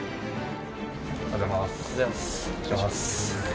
おはようございます。